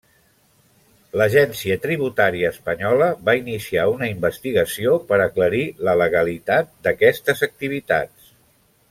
L'Agència Tributària espanyola va iniciar una investigació per aclarir la legalitat d'aquestes activitats.